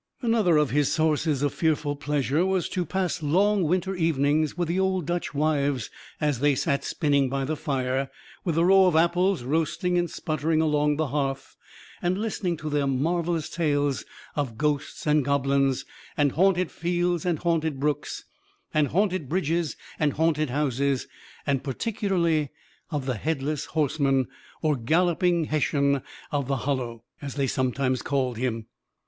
Another of his sources of fearful pleasure was to pass long winter evenings with the old Dutch wives, as they sat spinning by the fire, with a row of apples roasting and sputtering along the hearth, and listen to their marvelous tales of ghosts and goblins, and haunted fields and haunted brooks, and haunted bridges and haunted houses, and particularly of the headless horseman, or galloping Hessian of the Hollow, as they sometimes called him.